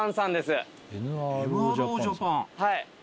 はい。